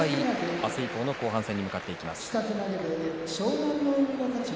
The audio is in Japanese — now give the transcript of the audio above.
明日以降後半戦に向かっていきます。